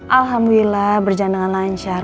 alhamdulillah berjalan dengan lancar